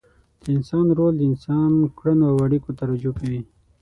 د انسان رول د انسان کړنو او اړیکو ته رجوع کوي.